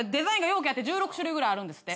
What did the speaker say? うけあって１６種類くらいあるんですって。